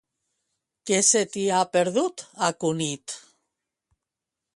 Què se t'hi ha perdut, a Cunit?